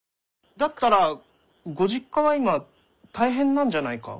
だったらご実家は今大変なんじゃないか？